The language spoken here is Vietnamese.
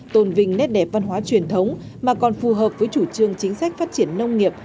tôn vinh nét đẹp văn hóa truyền thống mà còn phù hợp với chủ trương chính sách phát triển nông nghiệp